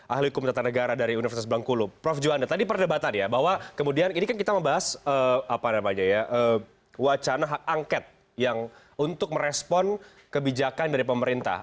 ahli hukum tata negara dari universitas belangkulu prof juwanda tadi perdebatan ya bahwa kemudian ini kan kita membahas wacana hak angket yang untuk merespon kebijakan dari pemerintah